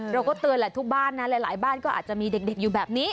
เราก็เตือนแหละทุกบ้านนะหลายบ้านก็อาจจะมีเด็กอยู่แบบนี้